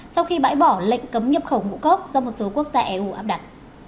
sau khi bãi bỏ lệnh cấm nhập khẩu ngũ cốc do một số quốc gia eu áp đặt